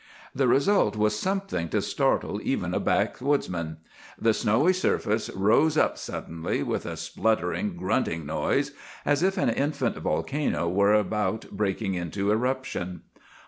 "The result was something to startle even a backwoodsman. The snowy surface rose up suddenly, with a spluttering, grunting noise, as if an infant volcano were about breaking into eruption.